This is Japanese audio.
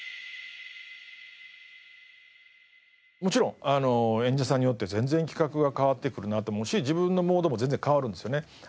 もちろん演者さんによって全然企画が変わってくるなと思うし自分のモードも全然変わるんですよね。